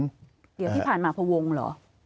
เดี๋ยวที่ผ่านมาพวงเหรอ